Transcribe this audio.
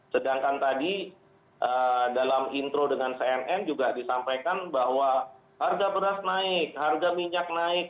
sedangkan tadi dalam intro dengan cnn juga disampaikan bahwa harga beras naik harga minyak naik